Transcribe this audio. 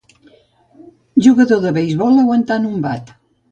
Jugador de beisbol aguantant un bat.